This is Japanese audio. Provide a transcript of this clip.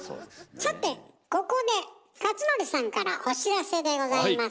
さてここで克典さんからお知らせでございます。